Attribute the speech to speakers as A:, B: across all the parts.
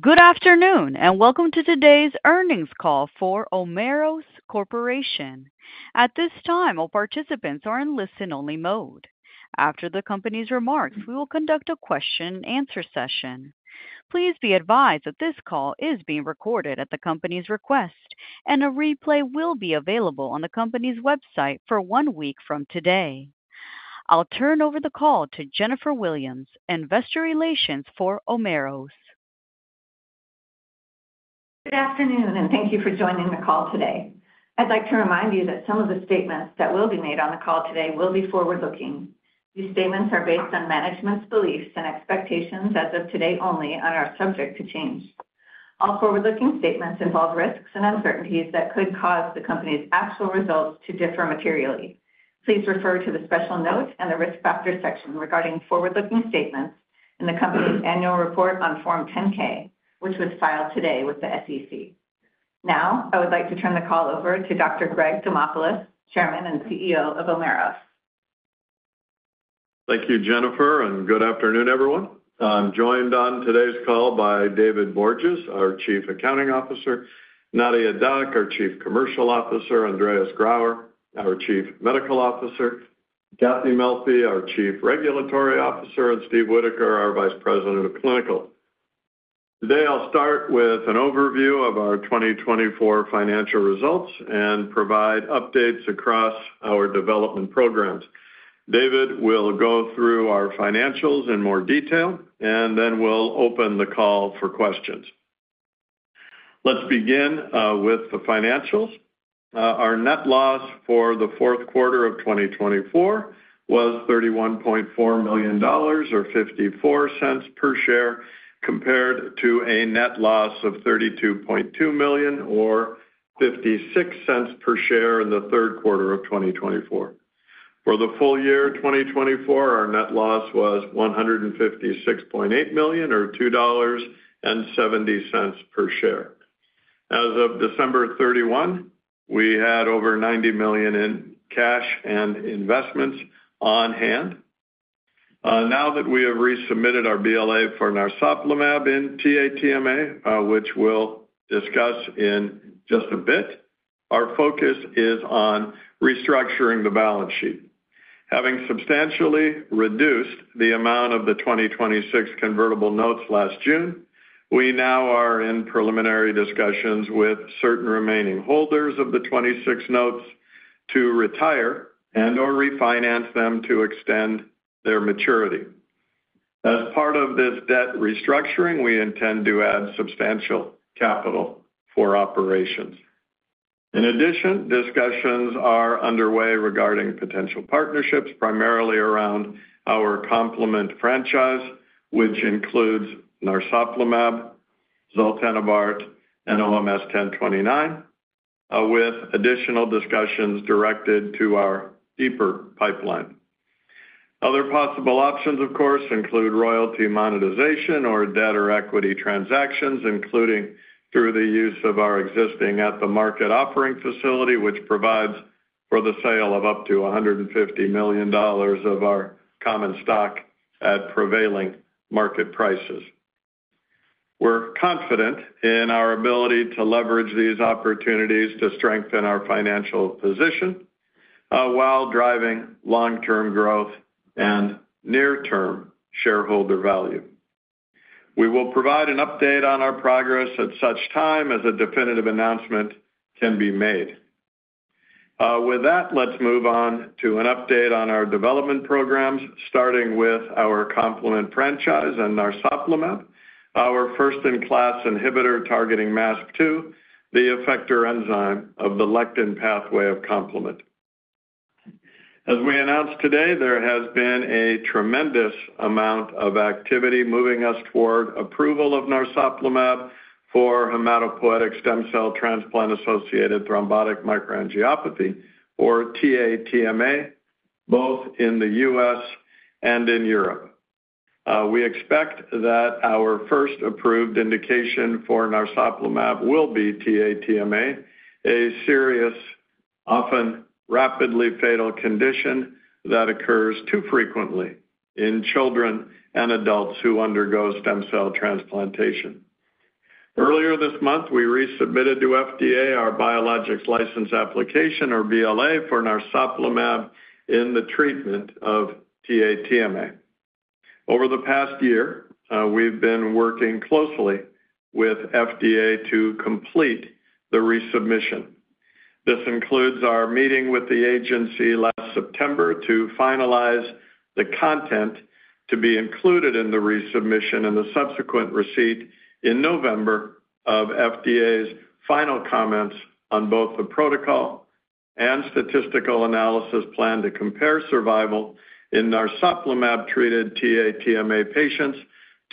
A: Good afternoon, and welcome to today's Earnings Call for Omeros Corporation. At this time, all participants are in listen-only mode. After the company's remarks, we will conduct a question-and-answer session. Please be advised that this call is being recorded at the company's request, and a replay will be available on the company's website for one week from today. I'll turn over the call to Jennifer Williams, Investor Relations for Omeros.
B: Good afternoon, and thank you for joining the call today. I'd like to remind you that some of the statements that will be made on the call today will be forward-looking. These statements are based on management's beliefs and expectations as of today only, and are subject to change. All forward-looking statements involve risks and uncertainties that could cause the company's actual results to differ materially. Please refer to the special notes and the risk factor section regarding forward-looking statements in the company's annual report on Form 10-K, which was filed today with the SEC. Now, I would like to turn the call over to Dr. Greg Demopulos, Chairman and CEO of Omeros.
C: Thank you, Jennifer, and good afternoon, everyone. I'm joined on today's call by David Borges, our Chief Accounting Officer; Nadia Dac, our Chief Commercial Officer; Andreas Grauer, our Chief Medical Officer; Kathy Melfi, our Chief Regulatory Officer; and Steve Whitaker, our Vice President of Clinical. Today, I'll start with an overview of our 2024 financial results and provide updates across our development programs. David will go through our financials in more detail, and then we'll open the call for questions. Let's begin with the financials. Our net loss for the fourth quarter of 2024 was $31.4 million, or $0.54 per share, compared to a net loss of $32.2 million, or $0.56 per share in the third quarter of 2024. For the full year 2024, our net loss was $156.8 million, or $2.70 per share. As of December 31, we had over $90 million in cash and investments on hand. Now that we have resubmitted our BLA for narsoplimab and TA-TMA, which we'll discuss in just a bit, our focus is on restructuring the balance sheet. Having substantially reduced the amount of the 2026 convertible notes last June, we now are in preliminary discussions with certain remaining holders of the 2026 notes to retire and/or refinance them to extend their maturity. As part of this debt restructuring, we intend to add substantial capital for operations. In addition, discussions are underway regarding potential partnerships, primarily around our complement franchise, which includes narsoplimab, zaltenibart, and OMS 1029, with additional discussions directed to our deeper pipeline. Other possible options, of course, include royalty monetization or debt or equity transactions, including through the use of our existing at-the-market offering facility, which provides for the sale of up to $150 million of our common stock at prevailing market prices. We're confident in our ability to leverage these opportunities to strengthen our financial position while driving long-term growth and near-term shareholder value. We will provide an update on our progress at such time as a definitive announcement can be made. With that, let's move on to an update on our development programs, starting with our complement franchise and narsoplimab, our first-in-class inhibitor targeting MASP-2, the effector enzyme of the lectin pathway of complement. As we announced today, there has been a tremendous amount of activity moving us toward approval of narsoplimab for hematopoietic stem cell Transplant-Associated Thrombotic Microangiopathy, or TA-TMA, both in the U.S. and in Europe. We expect that our first approved indication for narsoplimab will be TA-TMA, a serious, often rapidly fatal condition that occurs too frequently in children and adults who undergo stem cell transplantation. Earlier this month, we resubmitted to FDA our Biologics License Application, or BLA, for narsoplimab in the treatment of TA-TMA. Over the past year, we've been working closely with FDA to complete the resubmission. This includes our meeting with the agency last September to finalize the content to be included in the resubmission and the subsequent receipt in November of FDA's final comments on both the protocol and statistical analysis plan to compare survival in narsoplimab-treated TA-TMA patients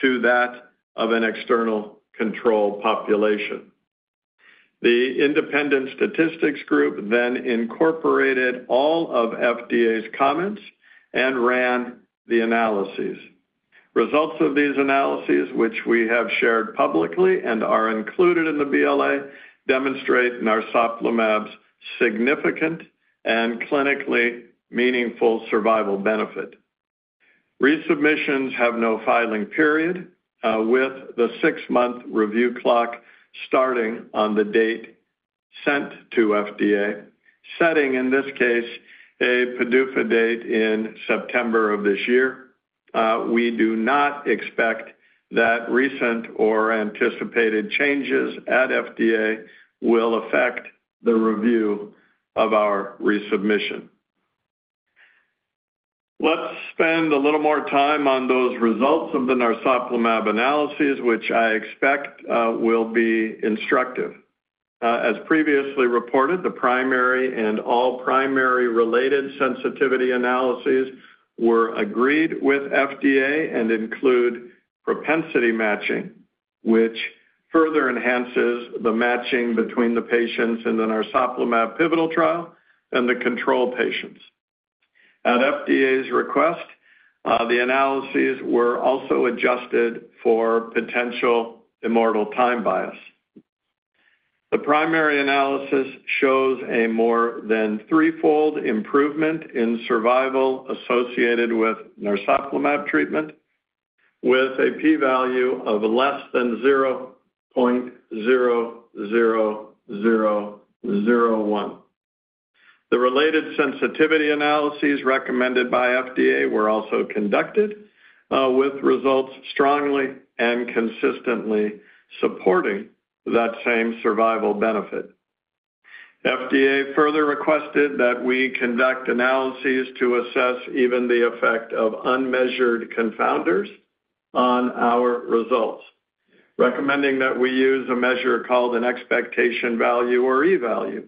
C: to that of an external control population. The independent statistics group then incorporated all of FDA's comments and ran the analyses. Results of these analyses, which we have shared publicly and are included in the BLA, demonstrate narsoplimab's significant and clinically meaningful survival benefit. Resubmissions have no filing period, with the six-month review clock starting on the date sent to FDA, setting, in this case, a PDUFA date in September of this year. We do not expect that recent or anticipated changes at FDA will affect the review of our resubmission. Let's spend a little more time on those results of the narsoplimab analyses, which I expect will be instructive. As previously reported, the primary and all primary-related sensitivity analyses were agreed with FDA and include propensity matching, which further enhances the matching between the patients in the narsoplimab pivotal trial and the control patients. At FDA's request, the analyses were also adjusted for potential immortal time bias. The primary analysis shows a more than threefold improvement in survival associated with narsoplimab treatment, with a P-value of less than 0.00001. The related sensitivity analyses recommended by FDA were also conducted, with results strongly and consistently supporting that same survival benefit. FDA further requested that we conduct analyses to assess even the effect of unmeasured confounders on our results, recommending that we use a measure called an Expectation Value or E-value.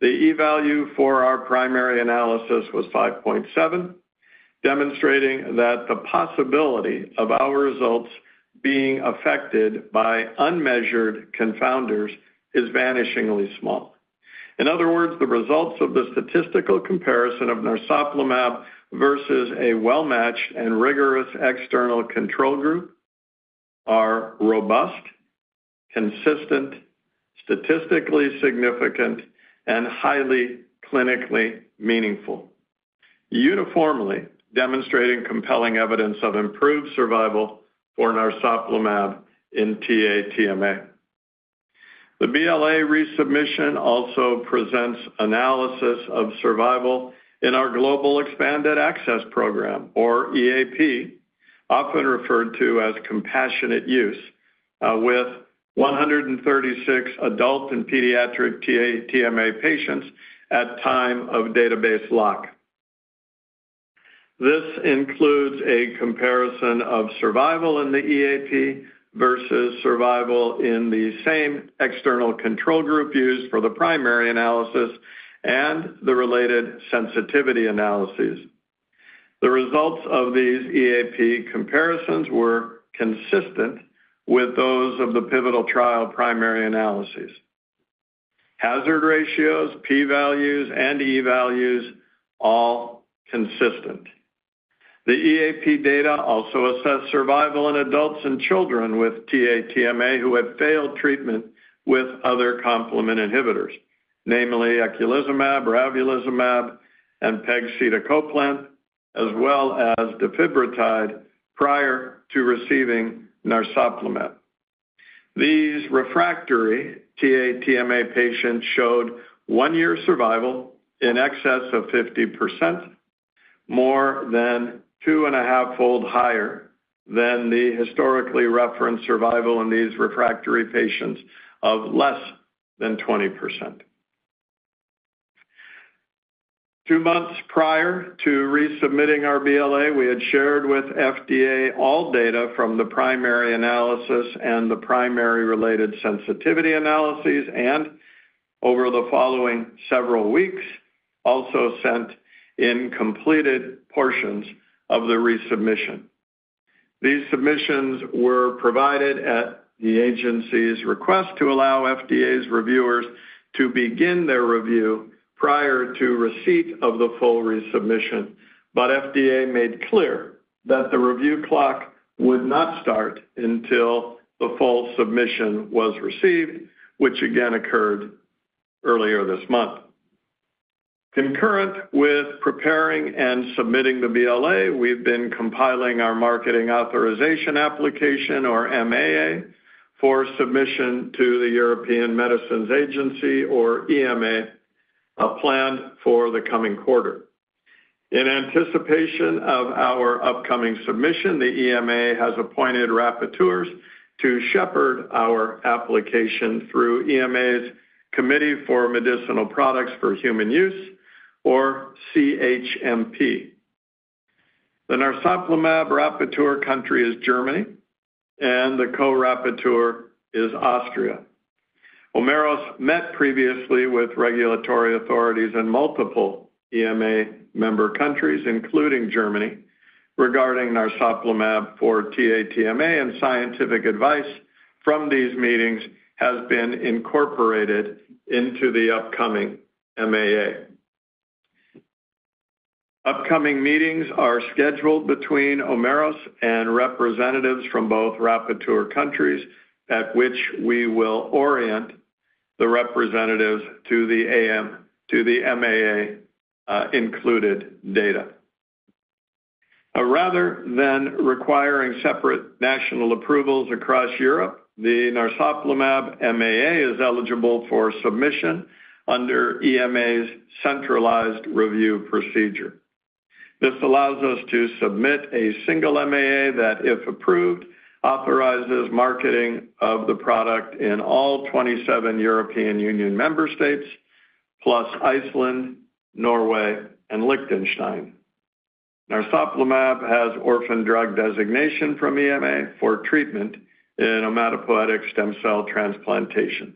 C: The E-value for our primary analysis was 5.7, demonstrating that the possibility of our results being affected by unmeasured confounders is vanishingly small. In other words, the results of the statistical comparison of narsoplimab versus a well-matched and rigorous external control group are robust, consistent, statistically significant, and highly clinically meaningful, uniformly demonstrating compelling evidence of improved survival for narsoplimab in TA-TMA. The BLA resubmission also presents analysis of survival in our global Expanded Access Program, or EAP, often referred to as compassionate use, with 136 adult and pediatric TA-TMA patients at time of database lock. This includes a comparison of survival in the EAP versus survival in the same external control group used for the primary analysis and the related sensitivity analyses. The results of these EAP comparisons were consistent with those of the pivotal trial primary analyses. Hazard ratios, P-values, and E-values all consistent. The EAP data also assessed survival in adults and children with TA-TMA who had failed treatment with other complement inhibitors, namely eculizumab or ravulizumab and pegcetacoplan, as well as defibrotide prior to receiving narsoplimab. These refractory TA-TMA patients showed one-year survival in excess of 50%, more than two-and-a-half-fold higher than the historically referenced survival in these refractory patients of less than 20%. Two months prior to resubmitting our BLA, we had shared with FDA all data from the primary analysis and the primary-related sensitivity analyses, and over the following several weeks, also sent in completed portions of the resubmission. These submissions were provided at the agency's request to allow FDA's reviewers to begin their review prior to receipt of the full resubmission, but FDA made clear that the review clock would not start until the full submission was received, which again occurred earlier this month. Concurrent with preparing and submitting the BLA, we've been compiling our marketing authorization application, or MAA, for submission to the European Medicines Agency, or EMA, planned for the coming quarter. In anticipation of our upcoming submission, the EMA has appointed rapporteurs to shepherd our application through EMA's Committee for Medicinal Products for Human Use, or CHMP. The narsoplimab rapporteur country is Germany, and the co-rapporteur is Austria. Omeros met previously with regulatory authorities in multiple EMA member countries, including Germany, regarding narsoplimab for TA-TMA, and scientific advice from these meetings has been incorporated into the upcoming MAA. Upcoming meetings are scheduled between Omeros and representatives from both rapporteur countries, at which we will orient the representatives to the MAA-included data. Rather than requiring separate national approvals across Europe, the narsoplimab MAA is eligible for submission under EMA's centralized review procedure. This allows us to submit a single MAA that, if approved, authorizes marketing of the product in all 27 European Union member states, plus Iceland, Norway, and Liechtenstein. narsoplimab has orphan drug designation from EMA for treatment in hematopoietic stem cell transplantation.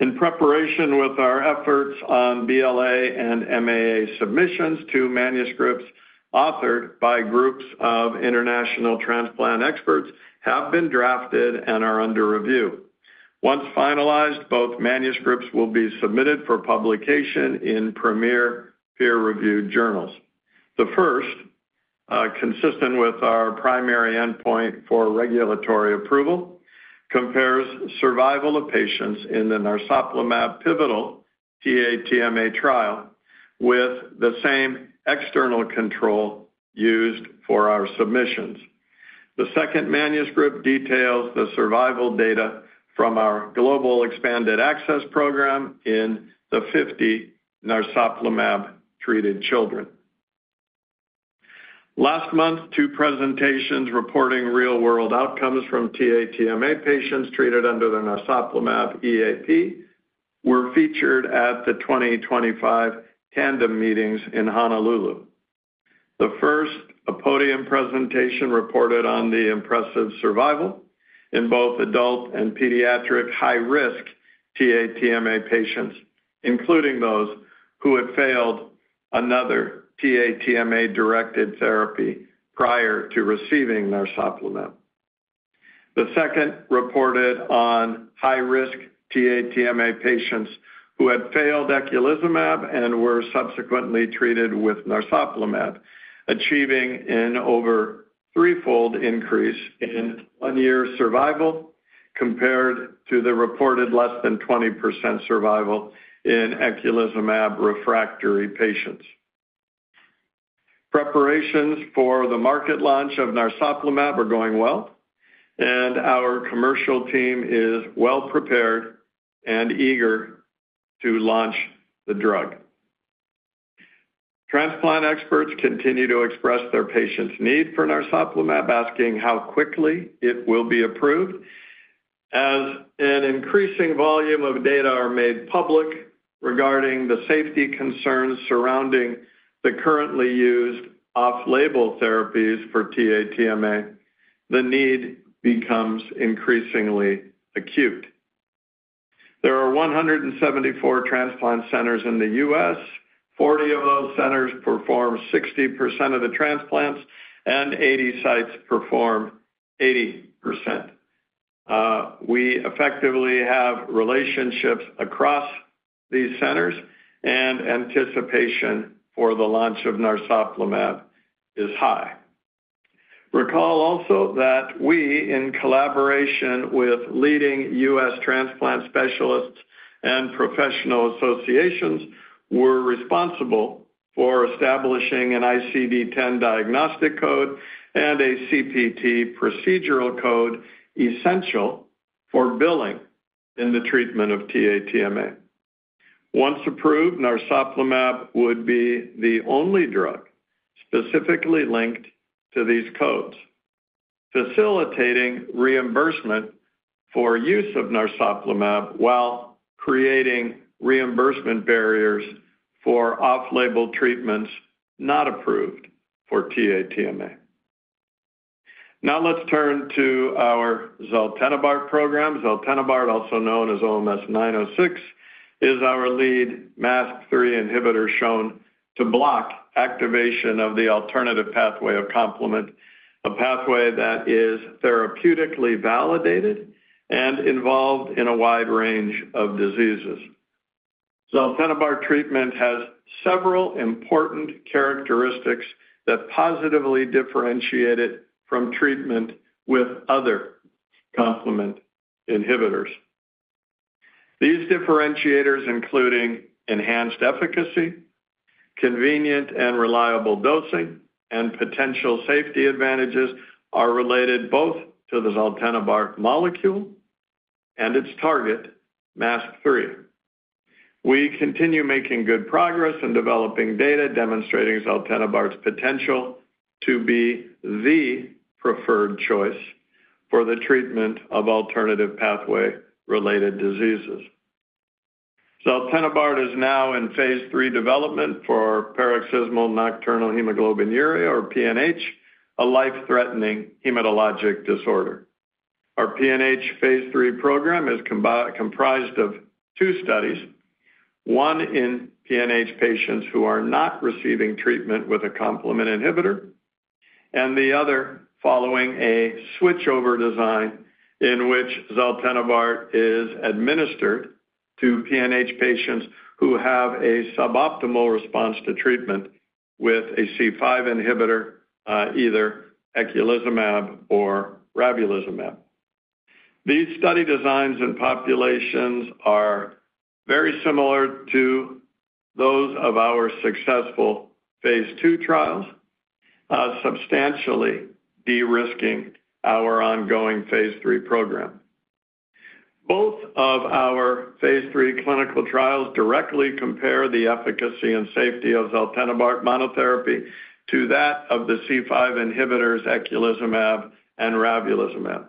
C: In preparation with our efforts on BLA and MAA submissions, two manuscripts authored by groups of international transplant experts have been drafted and are under review. Once finalized, both manuscripts will be submitted for publication in premier peer-reviewed journals. The first, consistent with our primary endpoint for regulatory approval, compares survival of patients in the narsoplimab pivotal TA-TMA trial with the same external control used for our submissions. The second manuscript details the survival data from our global Expanded Access Program in the 50 narsoplimab-treated children. Last month, two presentations reporting real-world outcomes from TA-TMA patients treated under the narsoplimab EAP were featured at the 2025 Tandem Meetings in Honolulu. The first, a podium presentation, reported on the impressive survival in both adult and pediatric high-risk TA-TMA patients, including those who had failed another TA-TMA-directed therapy prior to receiving narsoplimab. The second reported on high-risk TA-TMA patients who had failed eculizumab and were subsequently treated with narsoplimab, achieving an over threefold increase in one-year survival compared to the reported less than 20% survival in eculizumab refractory patients. Preparations for the market launch of narsoplimab are going well, and our commercial team is well prepared and eager to launch the drug. Transplant experts continue to express their patients' need for narsoplimab, asking how quickly it will be approved, as an increasing volume of data is made public regarding the safety concerns surrounding the currently used off-label therapies for TA-TMA. The need becomes increasingly acute. There are 174 transplant centers in the U.S. Forty of those centers perform 60% of the transplants, and 80 sites perform 80%. We effectively have relationships across these centers, and anticipation for the launch of narsoplimab is high. Recall also that we, in collaboration with leading U.S. Transplant specialists and professional associations were responsible for establishing an ICD-10 diagnostic code and a CPT procedural code essential for billing in the treatment of TA-TMA. Once approved, narsoplimab would be the only drug specifically linked to these codes, facilitating reimbursement for use of narsoplimab while creating reimbursement barriers for off-label treatments not approved for TA-TMA. Now let's turn to our Zaltenibart Program. Zaltenibart, also known as OMS 906, is our lead MASP-3 inhibitor shown to block activation of the alternative pathway of complement, a pathway that is therapeutically validated and involved in a wide range of diseases. Zaltenibart treatment has several important characteristics that positively differentiate it from treatment with other complement inhibitors. These differentiators, including enhanced efficacy, convenient and reliable dosing, and potential safety advantages, are related both to the Zaltenibart molecule and its target, MASP-3. We continue making good progress in developing data demonstrating Zaltenibart's potential to be the preferred choice for the treatment of alternative pathway-related diseases. Zaltenibart phase III development for paroxysmal nocturnal hemoglobinuria, or PNH, a life-threatening phase III program is comprised of two studies: one in PNH patients who are not receiving treatment with a complement inhibitor, and the other following a switchover design in which Zaltenibart is administered to PNH patients who have a suboptimal response to treatment with a C5 inhibitor, either eculizumab or Ravulizumab. These study designs and populations are very similar to those of substantially de-risking our phase III program. phase III clinical trials directly compare the efficacy and safety of Zaltenibart monotherapy to that of the C5 inhibitors, eculizumab and Ravulizumab,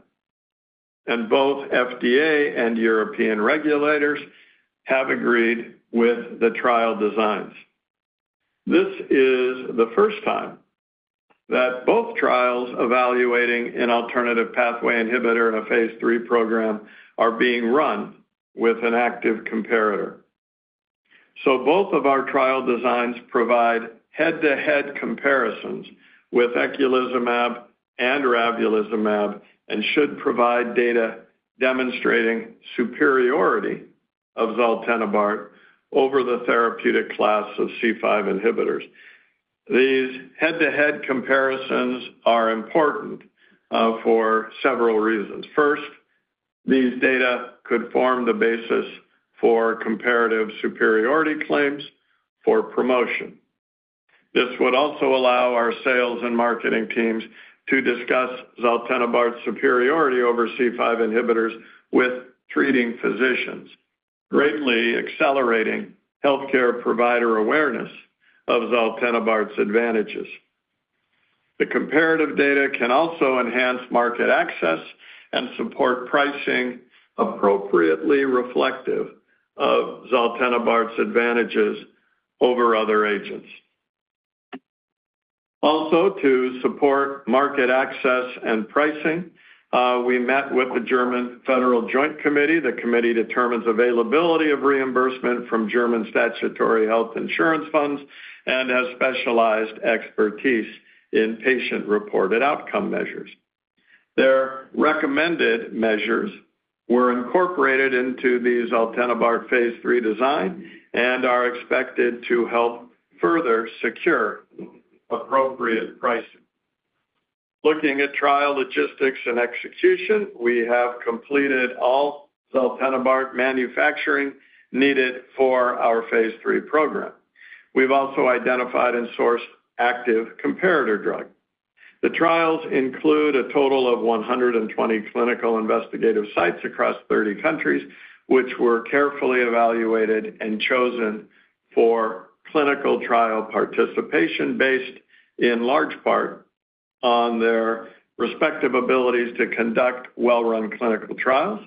C: and both FDA and European regulators have agreed with the trial designs. This is the first time that both trials evaluating an alternative phase III program are being run with an active comparator. Both of our trial designs provide head-to-head comparisons with eculizumab and Ravulizumab and should provide data demonstrating superiority of Zaltenibart over the therapeutic class of C5 inhibitors. These head-to-head comparisons are important for several reasons. First, these data could form the basis for comparative superiority claims for promotion. This would also allow our sales and marketing teams to discuss Zaltenibart's superiority over C5 inhibitors with treating physicians, greatly accelerating healthcare provider awareness of Zaltenibart's advantages. The comparative data can also enhance market access and support pricing appropriately reflective of Zaltenibart's advantages over other agents. Also, to support market access and pricing, we met with the German Federal Joint Committee. The committee determines availability of reimbursement from German statutory health insurance funds and has specialized expertise in patient-reported outcome measures. Their recommended measures were phase III design and are expected to help further secure appropriate pricing. Looking at trial logistics and execution, we have completed all Zaltenibart phase III program. we've also identified and sourced active comparator drug. The trials include a total of 120 clinical investigative sites across 30 countries, which were carefully evaluated and chosen for clinical trial participation based in large part on their respective abilities to conduct well-run clinical trials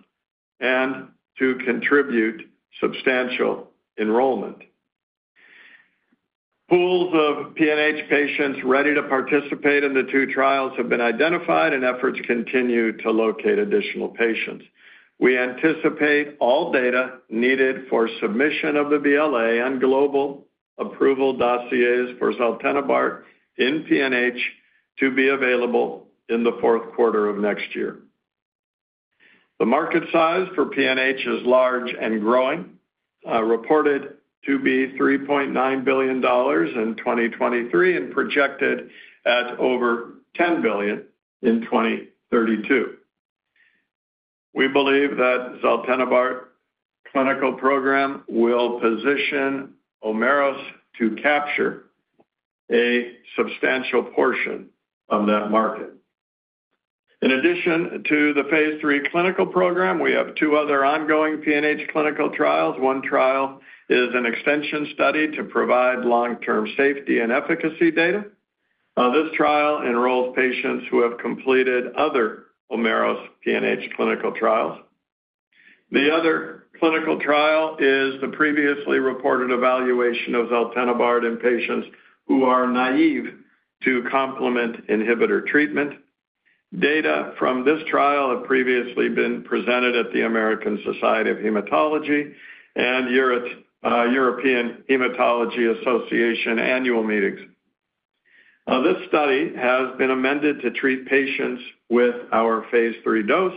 C: and to contribute substantial enrollment. Pools of PNH patients ready to participate in the two trials have been identified, and efforts continue to locate additional patients. We anticipate all data needed for submission of the BLA and global approval dossiers for Zaltenibart in PNH to be available in the fourth quarter of next year. The market size for PNH is large and growing, reported to be $3.9 billion in 2023 and projected at over $10 billion in 2032. We believe that Zaltenibart clinical program will position Omeros to capture a substantial portion of that market. phase III clinical program, we have two other ongoing PNH clinical trials. One trial is an extension study to provide long-term safety and efficacy data. This trial enrolls patients who have completed other Omeros PNH clinical trials. The other clinical trial is the previously reported evaluation of Zaltenibart in patients who are naive to complement inhibitor treatment. Data from this trial have previously been presented at the American Society of Hematology and European Hematology Association annual meetings. This study has been amended to phase III dose,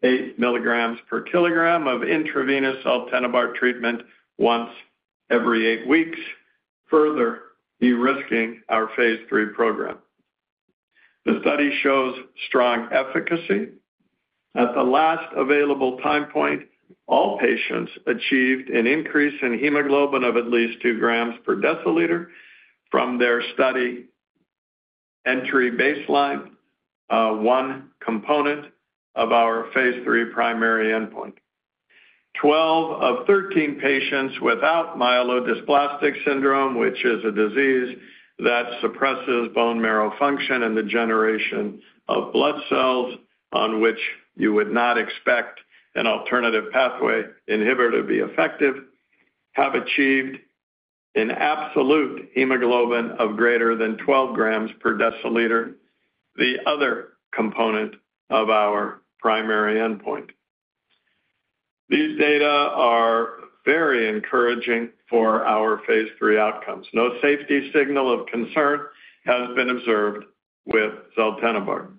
C: 8 mg per kg of intravenous Zaltenibart treatment once every eight phase III program. the study shows strong efficacy. At the last available time point, all patients achieved an increase in hemoglobin of at least 2 g per deciliter from their study entry baseline, one component phase III primary endpoint. 12 of 13 patients without myelodysplastic syndrome, which is a disease that suppresses bone marrow function and the generation of blood cells on which you would not expect an alternative pathway inhibitor to be effective, have achieved an absolute hemoglobin of greater than 12 g per deciliter, the other component of our primary endpoint. These data are phase III outcomes. no safety signal of concern has been observed with Zaltenibart.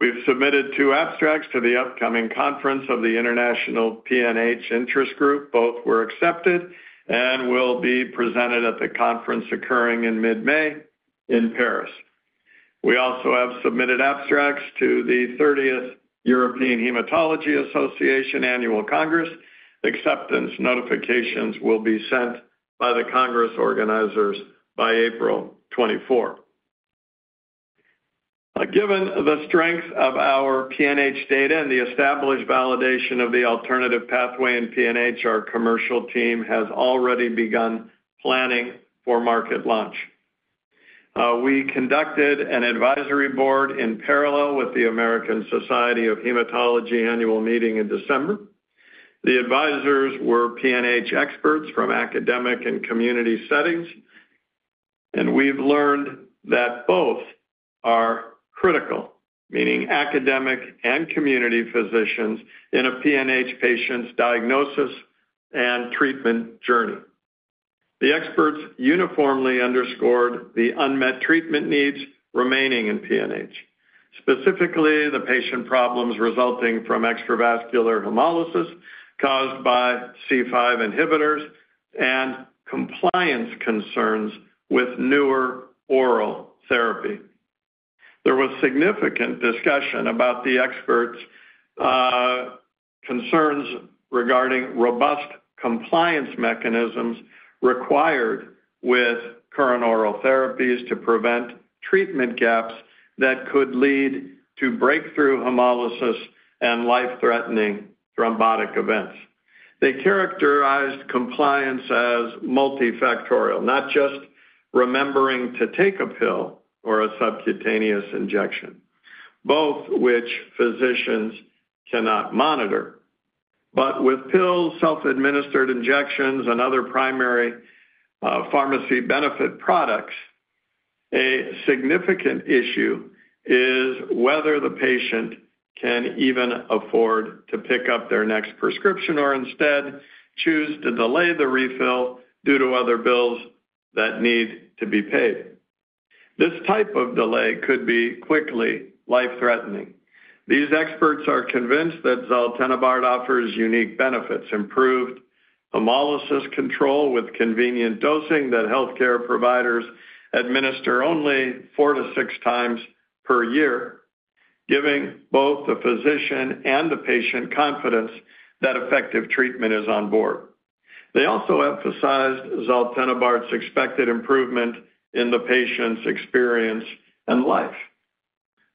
C: We have submitted two abstracts to the upcoming conference of the International PNH Interest Group. Both were accepted and will be presented at the conference occurring in mid-May in Paris. We also have submitted abstracts to the 30th European Hematology Association annual congress. Acceptance notifications will be sent by the congress organizers by April 2024. Given the strength of our PNH data and the established validation of the alternative pathway in PNH, our commercial team has already begun planning for market launch. We conducted an advisory board in parallel with the American Society of Hematology annual meeting in December. The advisors were PNH experts from academic and community settings, and we've learned that both are critical, meaning academic and community physicians in a PNH patient's diagnosis and treatment journey. The experts uniformly underscored the unmet treatment needs remaining in PNH, specifically the patient problems resulting from extravascular hemolysis caused by C5 inhibitors and compliance concerns with newer oral therapy. There was significant discussion about the experts' concerns regarding robust compliance mechanisms required with current oral therapies to prevent treatment gaps that could lead to breakthrough hemolysis and life-threatening thrombotic events. They characterized compliance as multifactorial, not just remembering to take a pill or a subcutaneous injection, both which physicians cannot monitor. With pills, self-administered injections, and other primary pharmacy benefit products, a significant issue is whether the patient can even afford to pick up their next prescription or instead choose to delay the refill due to other bills that need to be paid. This type of delay could be quickly life-threatening. These experts are convinced that Zaltenibart offers unique benefits: improved hemolysis control with convenient dosing that healthcare providers administer only four to six times per year, giving both the physician and the patient confidence that effective treatment is on board. They also emphasized Zaltenibart's expected improvement in the patient's experience and life,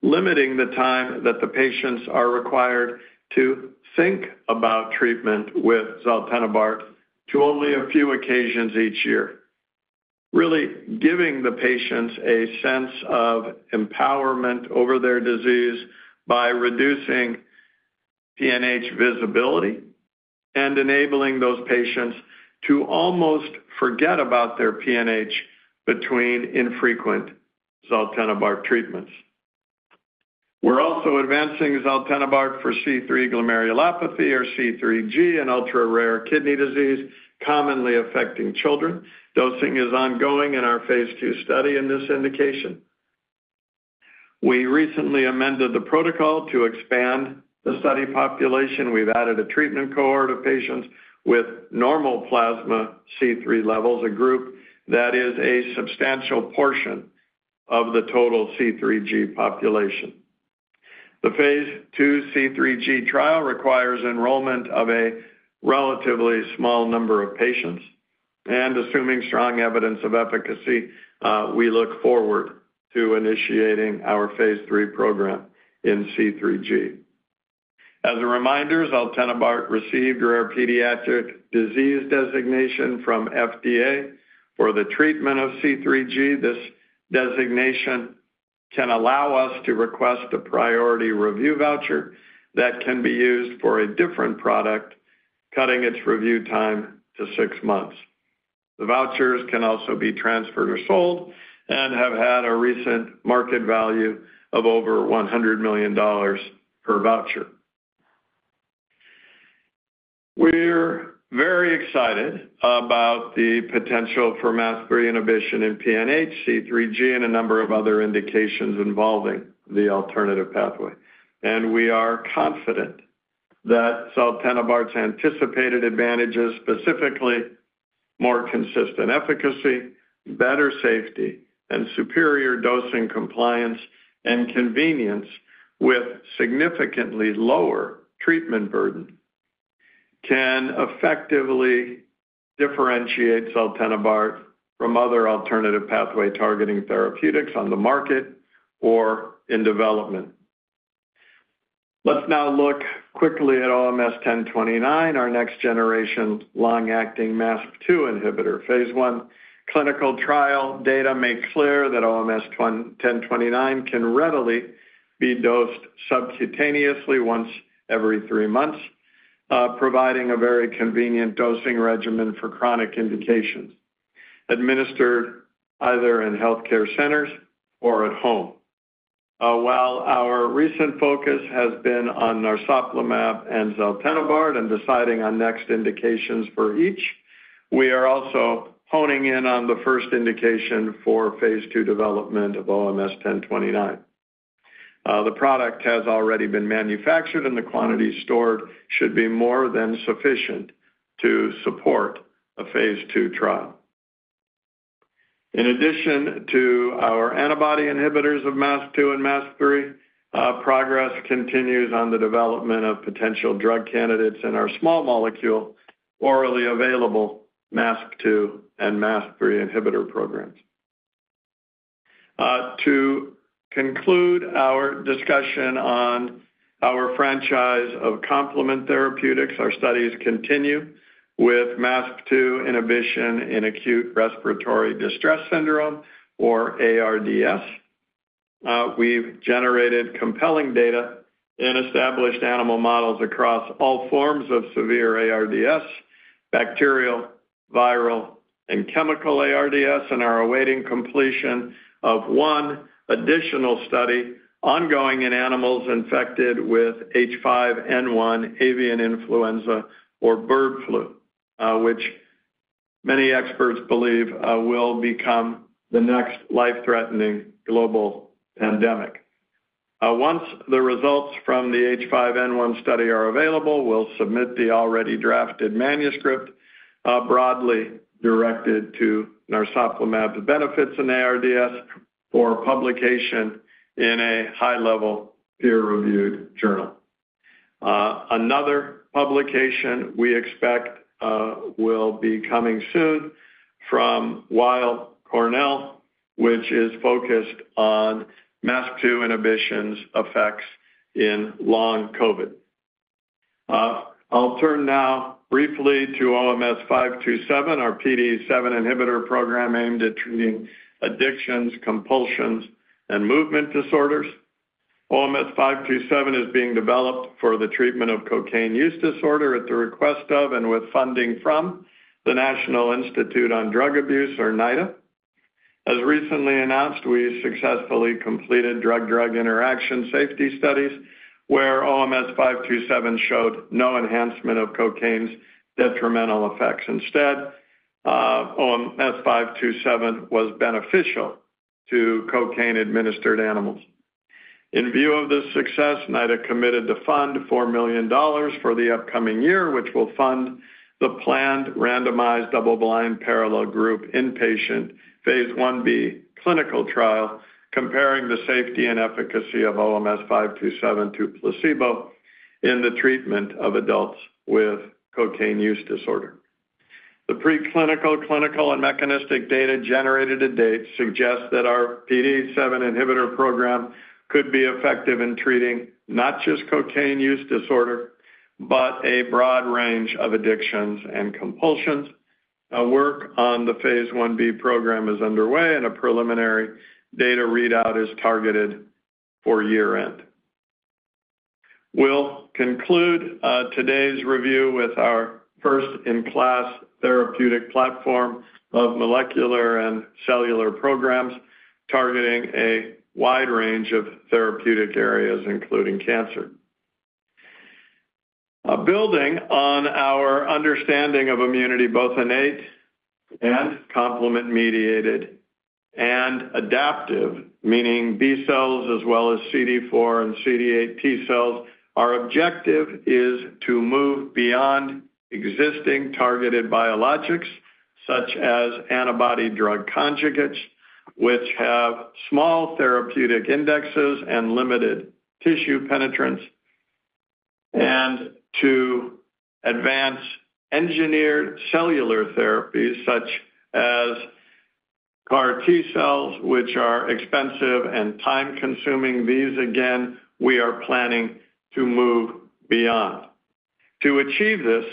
C: limiting the time that the patients are required to think about treatment with Zaltenibart to only a few occasions each year, really giving the patients a sense of empowerment over their disease by reducing PNH visibility and enabling those patients to almost forget about their PNH between infrequent Zaltenibart treatments. We're also advancing Zaltenibart for C3 Glomerulopathy or C3G and ultra-rare kidney disease, commonly affecting children. Dosing is ongoing phase II study in this indication. We recently amended the protocol to expand the study population. We've added a treatment cohort of patients with normal plasma C3 levels, a group that is a substantial portion of the total C3G population. phase II CG3 trial requires enrollment of a relatively small number of patients, and assuming strong evidence of efficacy, we look forward to initiating our phase III program in C3G. as a reminder, Zaltenibart received rare pediatric disease designation from FDA for the treatment of C3G. This designation can allow us to request a priority review voucher that can be used for a different product, cutting its review time to six months. The vouchers can also be transferred or sold and have had a recent market value of over $100 million per voucher. We're very excited about the potential for MASP-3 inhibition in PNH, C3G, and a number of other indications involving the alternative pathway. We are confident that Zaltenibart's anticipated advantages, specifically more consistent efficacy, better safety, and superior dosing compliance and convenience with significantly lower treatment burden, can effectively differentiate Zaltenibart from other alternative pathway targeting therapeutics on the market or in development. Let's now look quickly at OMS 1029, our next generation long-acting MASP-2 inhibitor. Phase I clinical trial data make clear that OMS 1029 can readily be dosed subcutaneously once every three months, providing a very convenient dosing regimen for chronic indications, administered either in healthcare centers or at home. While our recent focus has been on narsoplimab and Zaltenibart and deciding on next indications for each, we are also honing in on the first indication for phase II development of OMS 1029. The product has already been manufactured, and the quantity stored should be more than sufficient to support a phase II trial. In addition to our antibody inhibitors of MASP-2 and MASP-3, progress continues on the development of potential drug candidates in our small molecule orally available MASP-2 and MASP-3 inhibitor programs. To conclude our discussion on our franchise of complement therapeutics, our studies continue with MASP-2 inhibition in Acute Respiratory Distress Syndrome, or ARDS. We've generated compelling data and established animal models across all forms of severe ARDS, bacterial, viral, and chemical ARDS, and are awaiting completion of one additional study ongoing in animals infected with H5N1 avian influenza or bird flu, which many experts believe will become the next life-threatening global pandemic. Once the results from the H5N1 study are available, we'll submit the already drafted manuscript broadly directed to narsoplimab's benefits in ARDS for publication in a high-level peer-reviewed journal. Another publication we expect will be coming soon from Weill Cornell, which is focused on MASP-2 inhibition's effects in long COVID. I'll turn now briefly to OMS 527, our PDE7 inhibitor program aimed at treating addictions, compulsions, and movement disorders. OMS 527 is being developed for the treatment of cocaine use disorder at the request of and with funding from the National Institute on Drug Abuse, or NIDA. As recently announced, we successfully completed drug-drug interaction safety studies where OMS 527 showed no enhancement of cocaine's detrimental effects. Instead, OMS 527 was beneficial to cocaine-administered animals. In view of this success, NIDA committed to fund $4 million for the upcoming year, which will fund the planned randomized double-blind parallel group inpatient Phase 1b clinical trial comparing the safety and efficacy of OMS 527 to placebo in the treatment of adults with cocaine use disorder. The preclinical, clinical, and mechanistic data generated to date suggest that our PDE7 inhibitor program could be effective in treating not just cocaine use disorder, but a broad range of addictions and compulsions. Work on the Phase 1b program is underway, and a preliminary data readout is targeted for year-end. We will conclude today's review with our first-in-class therapeutic platform of molecular and cellular programs targeting a wide range of therapeutic areas, including cancer. Building on our understanding of immunity, both innate and complement-mediated, and adaptive, meaning B cells as well as CD4 and CD8 T cells, our objective is to move beyond existing targeted biologics such as antibody drug conjugates, which have small therapeutic indexes and limited tissue penetrance, and to advance engineered cellular therapies such as CAR T cells, which are expensive and time-consuming. These, again, we are planning to move beyond. To achieve this,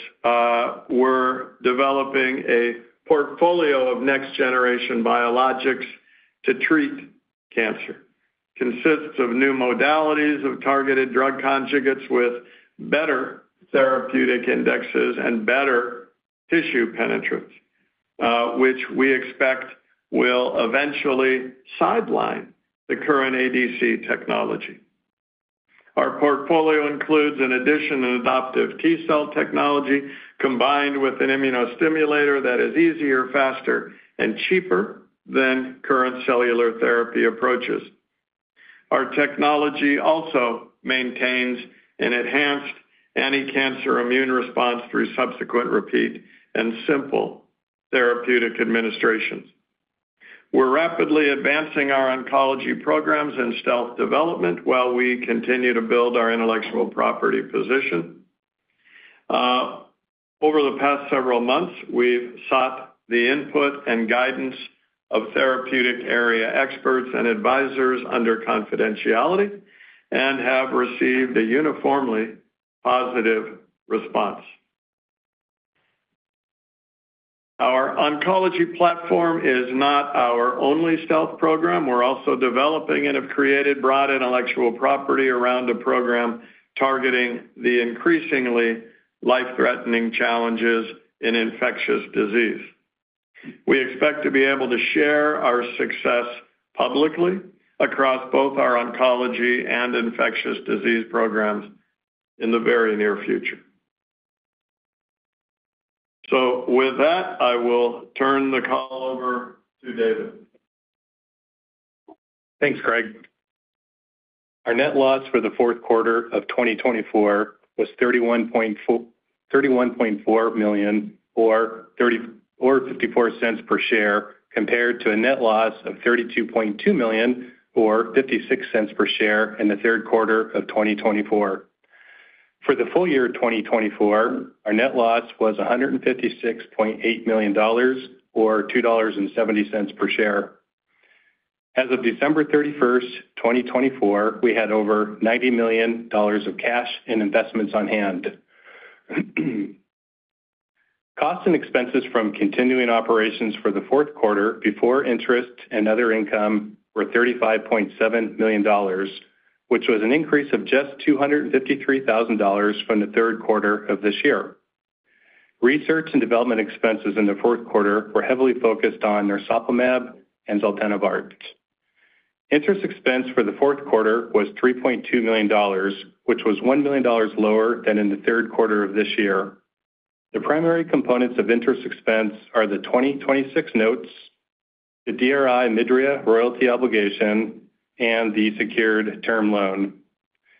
C: we're developing a portfolio of next-generation biologics to treat cancer. It consists of new modalities of targeted drug conjugates with better therapeutic indexes and better tissue penetrance, which we expect will eventually sideline the current ADC technology. Our portfolio includes, in addition, an adaptive T cell technology combined with an immunostimulator that is easier, faster, and cheaper than current cellular therapy approaches. Our technology also maintains an enhanced anticancer immune response through subsequent repeat and simple therapeutic administrations. We're rapidly advancing our oncology programs and stealth development while we continue to build our intellectual property position. Over the past several months, we've sought the input and guidance of therapeutic area experts and advisors under confidentiality and have received a uniformly positive response. Our oncology platform is not our only stealth program. We're also developing and have created broad intellectual property around a program targeting the increasingly life-threatening challenges in infectious disease. We expect to be able to share our success publicly across both our oncology and infectious disease programs in the very near future. With that, I will turn the call over to David.
D: Thanks, Greg. Our net loss for the fourth quarter of 2024 was $31.4 million or $0.54 per share compared to a net loss of $32.2 million or $0.56 per share in the third quarter of 2024. For the full year of 2024, our net loss was $156.8 million or $2.70 per share. As of December 31, 2024, we had over $90 million of cash and investments on hand. Costs and expenses from continuing operations for the fourth quarter before interest and other income were $35.7 million, which was an increase of just $253,000 from the third quarter of this year. Research and development expenses in the fourth quarter were heavily focused on narsoplimab and Zaltenibart. Interest expense for the fourth quarter was $3.2 million, which was $1 million lower than in the third quarter of this year. The primary components of interest expense are the 2026 notes, the DRI Healthcare OMIDRIA royalty obligation, and the secured term loan.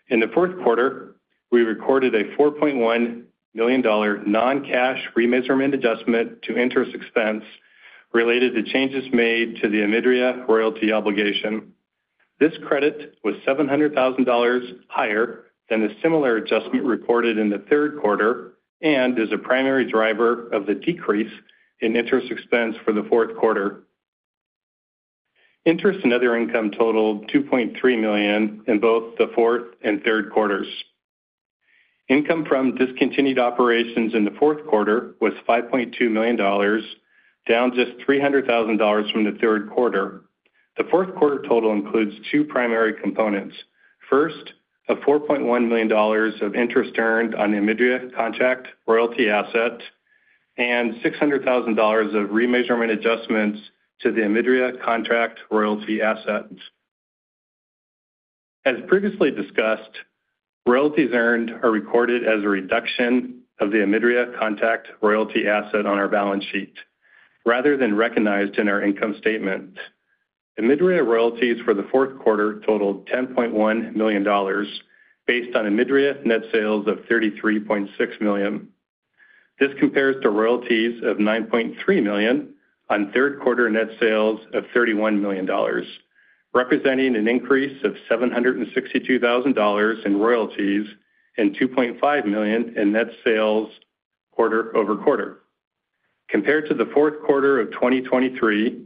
D: In the fourth quarter, we recorded a $4.1 million non-cash remeasurement adjustment to interest expense related to changes made to the OMIDRIA royalty obligation. This credit was $700,000 higher than the similar adjustment recorded in the third quarter and is a primary driver of the decrease in interest expense for the fourth quarter. Interest and other income totaled $2.3 million in both the fourth and third quarters. Income from discontinued operations in the fourth quarter was $5.2 million, down just $300,000 from the third quarter. The fourth quarter total includes two primary components. First, $4.1 million of interest earned on the OMIDRIA contract royalty asset and $600,000 of remeasurement adjustments to the OMIDRIA contract royalty asset. As previously discussed, royalties earned are recorded as a reduction of the OMIDRIA contract royalty asset on our balance sheet rather than recognized in our income statement. OMIDRIA royalties for the fourth quarter totaled $10.1 million based on OMIDRIA net sales of $33.6 million. This compares to royalties of $9.3 million on third quarter net sales of $31 million, representing an increase of $762,000 in royalties and $2.5 million in net sales quarter-over-quarter. Compared to the fourth quarter of 2023,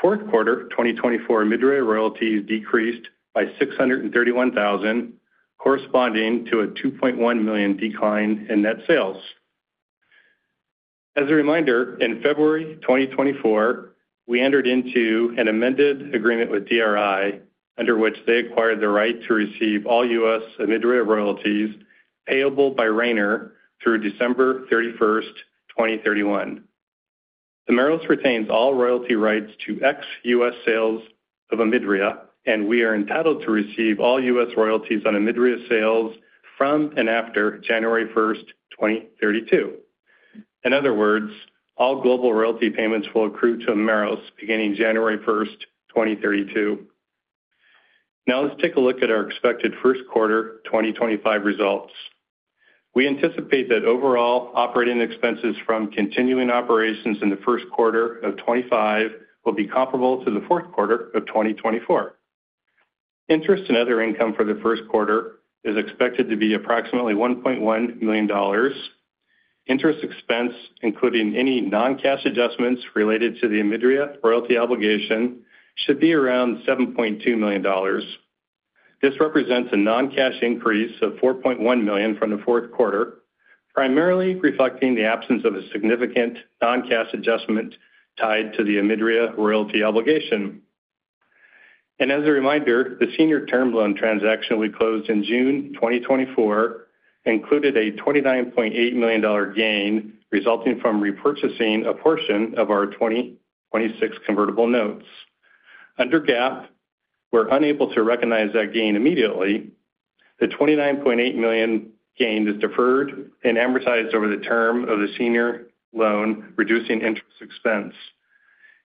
D: fourth quarter 2024 OMIDRIA royalties decreased by $631,000, corresponding to a $2.1 million decline in net sales. As a reminder, in February 2024, we entered into an amended agreement with DRI Healthcare under which they acquired the right to receive all U.S. and OMIDRIA royalties payable by Rayner through December 31, 2031. Omeros retains all royalty rights to ex-U.S. sales of OMIDRIA, and we are entitled to receive all U.S. royalties on OMIDRIA sales from and after January 1, 2032. In other words, all global royalty payments will accrue to Omeros beginning January 1, 2032. Now let's take a look at our expected first quarter 2025 results. We anticipate that overall operating expenses from continuing operations in the first quarter of 2025 will be comparable to the fourth quarter of 2024. Interest and other income for the first quarter is expected to be approximately $1.1 million. Interest expense, including any non-cash adjustments related to the OMIDRIA royalty obligation, should be around $7.2 million. This represents a non-cash increase of $4.1 million from the fourth quarter, primarily reflecting the absence of a significant non-cash adjustment tied to the OMIDRIA royalty obligation. As a reminder, the senior term loan transaction we closed in June 2024 included a $29.8 million gain resulting from repurchasing a portion of our 2026 convertible notes. Under GAAP, we're unable to recognize that gain immediately. The $29.8 million gain is deferred and amortized over the term of the senior loan, reducing interest expense.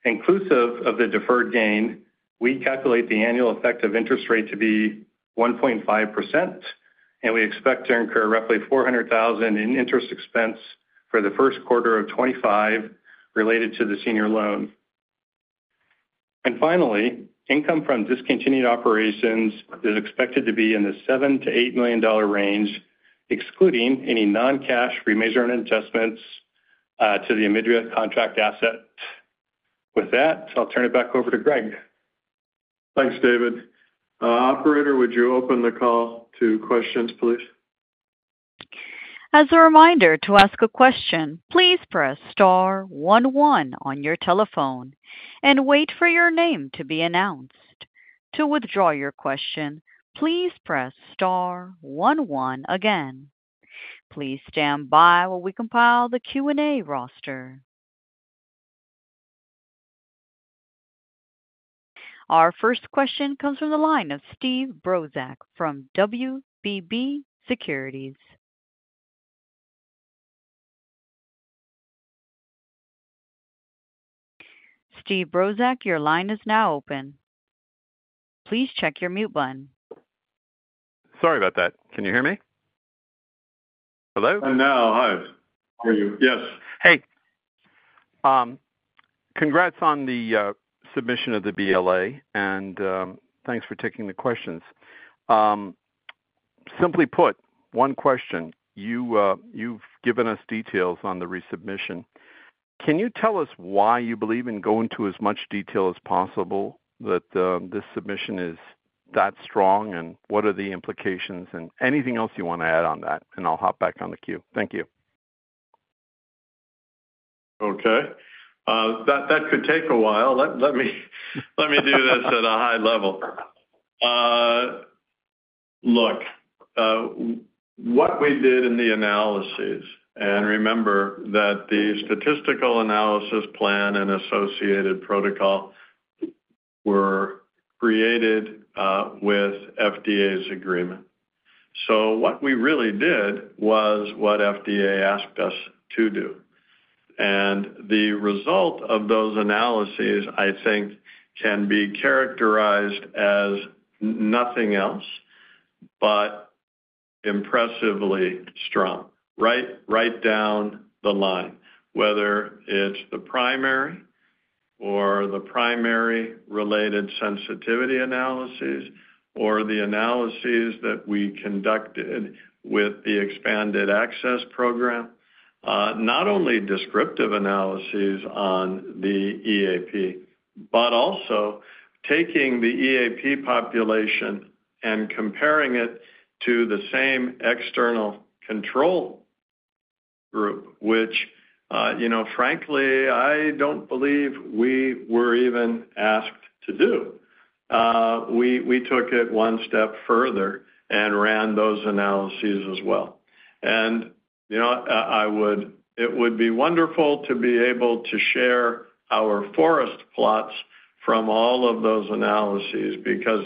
D: Inclusive of the deferred gain, we calculate the annual effective interest rate to be 1.5%, and we expect to incur roughly $400,000 in interest expense for the first quarter of 2025 related to the senior loan. Finally, income from discontinued operations is expected to be in the $7 million-$8 million range, excluding any non-cash remeasurement adjustments to the OMIDRIA contract asset. With that, I'll turn it back over to Greg.
C: Thanks, David. Operator, would you open the call to questions, please?
A: As a reminder to ask a question, please press star one one on your telephone and wait for your name to be announced. To withdraw your question, please press star one one again. Please stand by while we compile the Q&A roster. Our first question comes from the line of Steve Brozak from WBB Securities. Steve Brozak, your line is now open. Please check your mute button.
E: Sorry about that. Can you hear me? Hello? Hello. Hi. How are you? Yes. Hey. Congrats on the submission of the BLA, and thanks for taking the questions. Simply put, one question. You've given us details on the resubmission. Can you tell us why you believe in going to as much detail as possible that this submission is that strong, and what are the implications? Anything else you want to add on that, and I'll hop back on the queue. Thank you.
C: Okay. That could take a while. Let me do this at a high level. Look, what we did in the analyses—and remember that the statistical analysis plan and associated protocol were created with FDA's agreement—so what we really did was what FDA asked us to do. The result of those analyses, I think, can be characterized as nothing else but impressively strong. Write down the line, whether it's the primary or the primary related sensitivity analyses or the analyses that we conducted with the Expanded Access Program, not only descriptive analyses on the EAP, but also taking the EAP population and comparing it to the same external control group, which, frankly, I don't believe we were even asked to do. We took it one step further and ran those analyses as well. It would be wonderful to be able to share our forest plots from all of those analyses because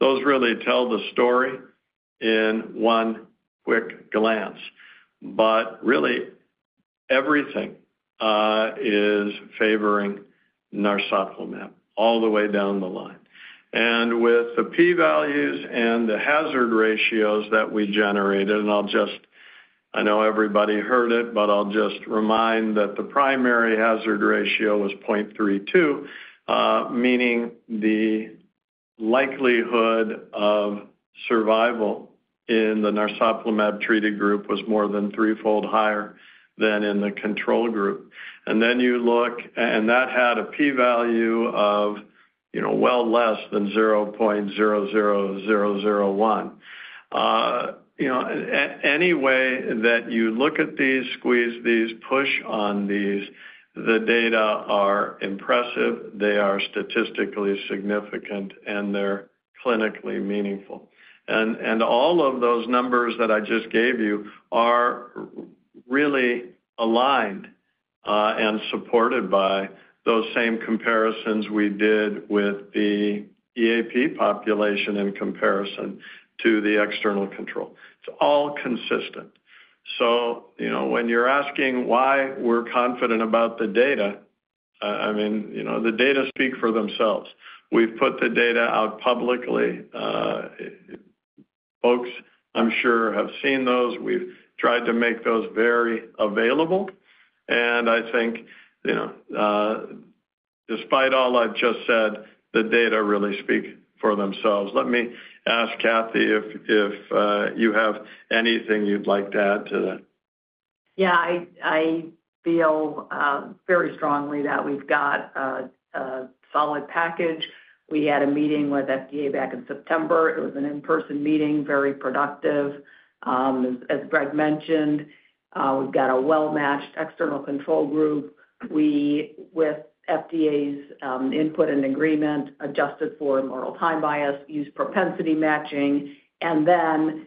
C: those really tell the story in one quick glance. Really, everything is favoring narsoplimab all the way down the line. With the P-values and the hazard ratios that we generated—and I know everybody heard it, but I'll just remind that the primary hazard ratio was 0.32, meaning the likelihood of survival in the narsoplimab treated group was more than threefold higher than in the control group. You look, and that had a P-value of well less than 0.00001. Any way that you look at these, squeeze these, push on these, the data are impressive. They are statistically significant, and they're clinically meaningful. All of those numbers that I just gave you are really aligned and supported by those same comparisons we did with the EAP population in comparison to the external control. It's all consistent. When you're asking why we're confident about the data, I mean, the data speak for themselves. We've put the data out publicly. Folks, I'm sure, have seen those. We've tried to make those very available. I think, despite all I've just said, the data really speak for themselves. Let me ask Kathy if you have anything you'd like to add to that.
F: Yeah. I feel very strongly that we've got a solid package. We had a meeting with the FDA back in September. It was an in-person meeting, very productive. As Greg mentioned, we've got a well-matched external control group. We, with the FDA's input and agreement, adjusted for immortal time bias, used propensity matching, and then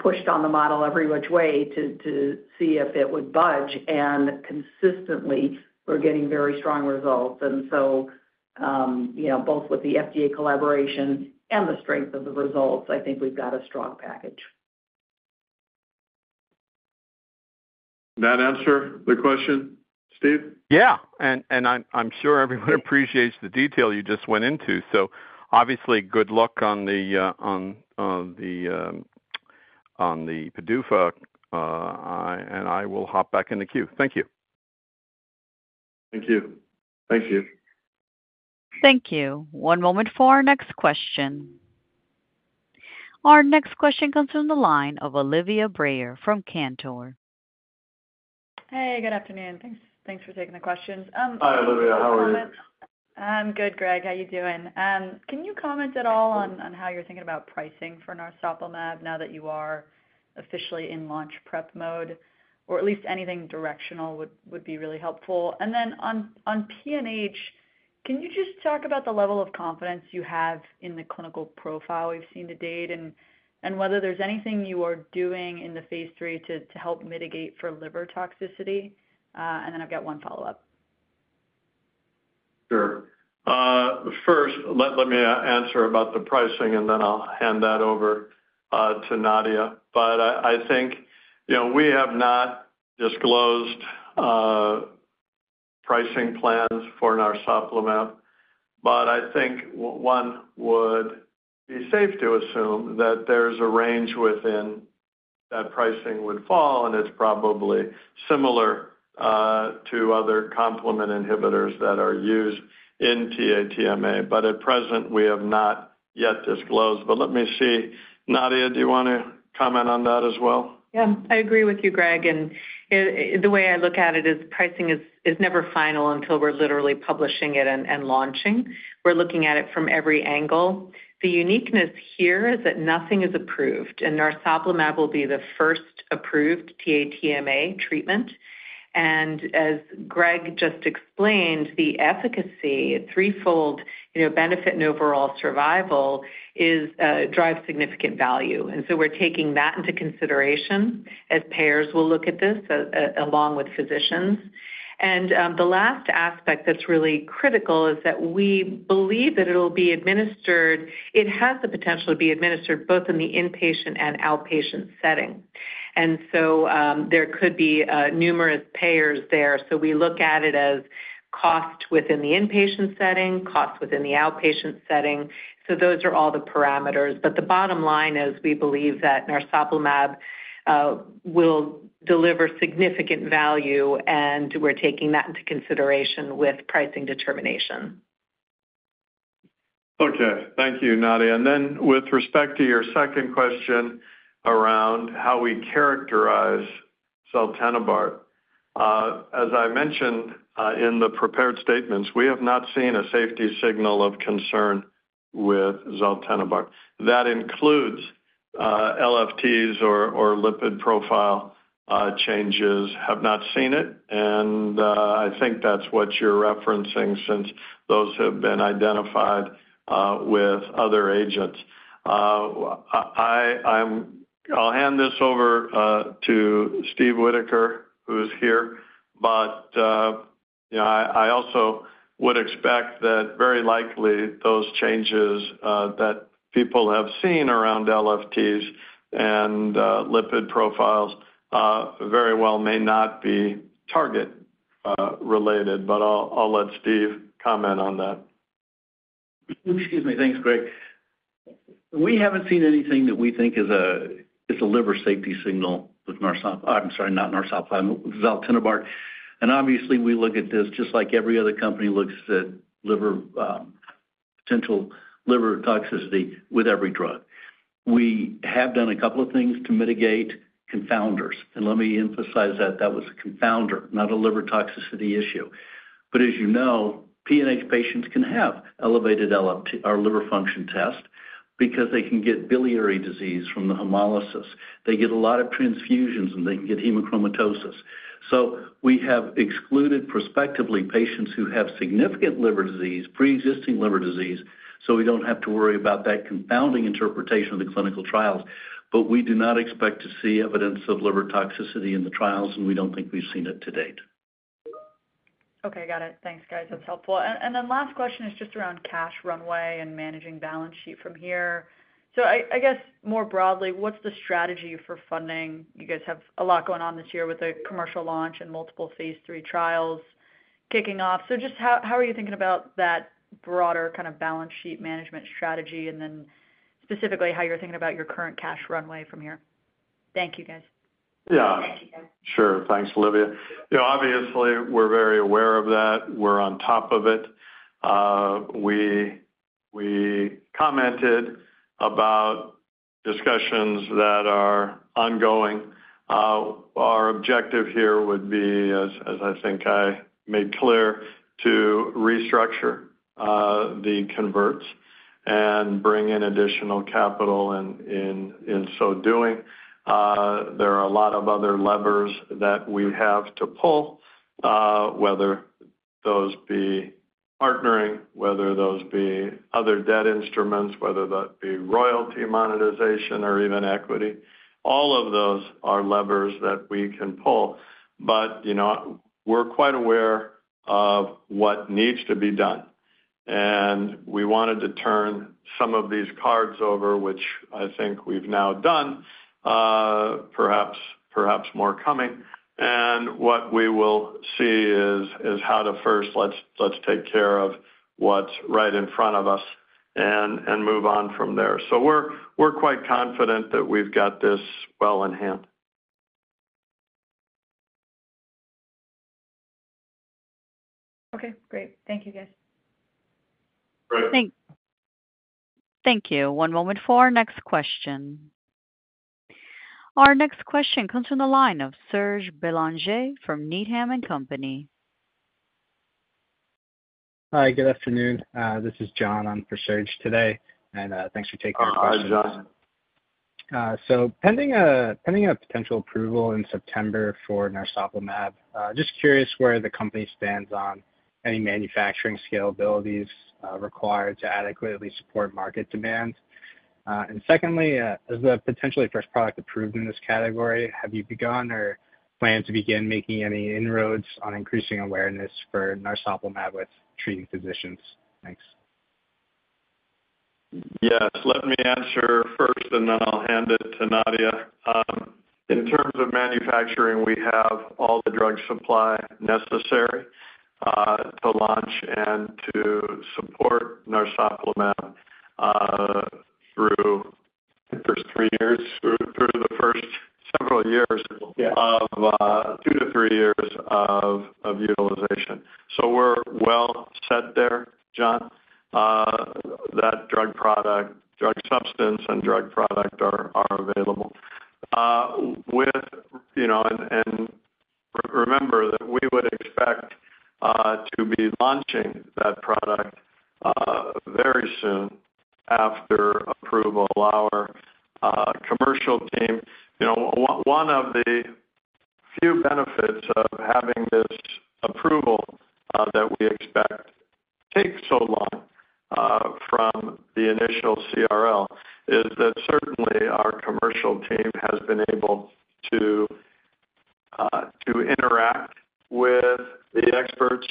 F: pushed on the model every which way to see if it would budge. Consistently, we're getting very strong results. Both with the FDA collaboration and the strength of the results, I think we've got a strong package.
C: That answer the question, Steve?
E: Yeah. I'm sure everyone appreciates the detail you just went into. Obviously, good luck on the PDUFA. I will hop back in the queue. Thank you.
C: Thank you.
F: Thank you.
A: Thank you. One moment for our next question. Our next question comes from the line of Olivia Brayer from Cantor.
G: Hey. Good afternoon. Thanks for taking the questions.
C: Hi, Olivia. How are you?
G: I'm good, Greg. How are you doing? Can you comment at all on how you're thinking about pricing for narsoplimab now that you are officially in launch prep mode? Or at least anything directional would be really helpful. On PNH, can you just talk about the level of confidence you have in the clinical profile we've seen to date and whether there's anything you phase III to help mitigate for liver toxicity? I have one follow-up.
C: Sure. First, let me answer about the pricing, and then I'll hand that over to Nadia. I think we have not disclosed pricing plans for narsoplimab. I think one would be safe to assume that there's a range within that pricing would fall, and it's probably similar to other complement inhibitors that are used in TA-TMA. At present, we have not yet disclosed. Let me see. Nadia, do you want to comment on that as well?
H: Yeah. I agree with you, Greg. The way I look at it is pricing is never final until we're literally publishing it and launching. We're looking at it from every angle. The uniqueness here is that nothing is approved. narsoplimab will be the first approved TA-TMA treatment. As Greg just explained, the efficacy, threefold benefit and overall survival drives significant value. We are taking that into consideration as payers will look at this along with physicians. The last aspect that is really critical is that we believe that it will be administered, it has the potential to be administered both in the inpatient and outpatient setting. There could be numerous payers there. We look at it as cost within the inpatient setting, cost within the outpatient setting. Those are all the parameters. The bottom line is we believe that narsoplimab will deliver significant value, and we are taking that into consideration with pricing determination.
C: Okay. Thank you, Nadia. With respect to your second question around how we characterize Zaltenibart, as I mentioned in the prepared statements, we have not seen a safety signal of concern with Zaltenibart. That includes LFTs or lipid profile changes. I have not seen it. I think that's what you're referencing since those have been identified with other agents. I'll hand this over to Steve Whitaker, who's here. I also would expect that very likely those changes that people have seen around LFTs and lipid profiles very well may not be target-related. I'll let Steve comment on that.
I: Excuse me. Thanks, Greg. We haven't seen anything that we think is a liver safety signal with narsoplimab—I'm sorry, not narsoplimab—with Zaltenibart. Obviously, we look at this just like every other company looks at potential liver toxicity with every drug. We have done a couple of things to mitigate confounders. Let me emphasize that that was a confounder, not a liver toxicity issue. As you know, PNH patients can have elevated LFT or Liver Function Test because they can get biliary disease from the hemolysis. They get a lot of transfusions, and they can get hemochromatosis. We have excluded prospectively patients who have significant liver disease, pre-existing liver disease, so we do not have to worry about that confounding interpretation of the clinical trials. We do not expect to see evidence of liver toxicity in the trials, and we do not think we have seen it to date.
G: Okay. Got it. Thanks, guys. That is helpful. The last question is just around cash runway and managing balance sheet from here. I guess more broadly, what is the strategy for funding? You guys have a lot going on this year with the phase III trials kicking off. just how are you thinking about that broader kind of balance sheet management strategy and then specifically how you are thinking about your current cash runway from here? Thank you, guys.
C: Yeah. Thank you, guys. Sure. Thanks, Olivia. Obviously, we're very aware of that. We're on top of it. We commented about discussions that are ongoing. Our objective here would be, as I think I made clear, to restructure the converts and bring in additional capital in so doing. There are a lot of other levers that we have to pull, whether those be partnering, whether those be other debt instruments, whether that be Royalty monetization, or even equity. All of those are levers that we can pull. We're quite aware of what needs to be done. We wanted to turn some of these cards over, which I think we've now done, perhaps more coming. What we will see is how to first, let's take care of what's right in front of us and move on from there. We're quite confident that we've got this well in hand.
G: Okay. Great. Thank you, guys.
A: Great. Thank you. One moment for our next question. Our next question comes from the line of Serge Belanger from Needham & Company. Hi. Good afternoon. This is John. I'm for Serge today. Thanks for taking the question.
C: Hi, John. Pending a potential approval in September for narsoplimab, just curious where the company stands on any manufacturing scalabilities required to adequately support market demands. Secondly, as the potentially first product approved in this category, have you begun or plan to begin making any inroads on increasing awareness for narsoplimab with treating physicians? Thanks. Yes. Let me answer first, and then I'll hand it to Nadia. In terms of manufacturing, we have all the drug supply necessary to launch and to support narsoplimab through the first three years, through the first several years of two to three years of utilization. We're well set there, John, that drug substance and drug product are available. Remember that we would expect to be launching that product very soon after approval. Our commercial team, one of the few benefits of having this approval that we expect takes so long from the initial CRL, is that certainly our commercial team has been able to interact with the experts.